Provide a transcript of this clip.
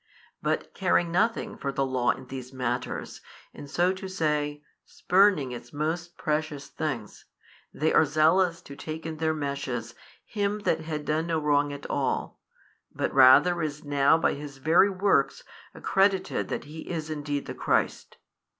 But caring nothing for the Law in these matters, and so to say, spurning its most precious things, they are zealous to take in their meshes |535 Him That had done no wrong at all, but rather is now by His very works accredited that He is indeed the Christ.